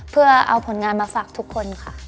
เพื่อเอาผลงานมาฝากทุกคนค่ะ